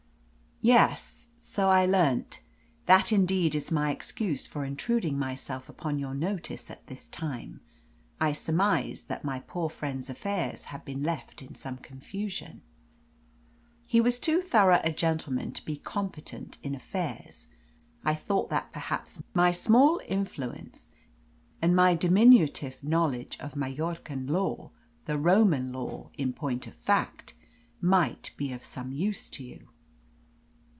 "Yes. So I learnt. That indeed is my excuse for intruding myself upon your notice at this time. I surmised that my poor friend's affairs had been left in some confusion. He was too thorough a gentleman to be competent in affairs. I thought that perhaps my small influence and my diminutive knowledge of Majorcan law the Roman law, in point of fact might be of some use to you."